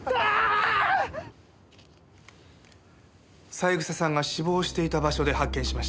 三枝さんが死亡していた場所で発見しました。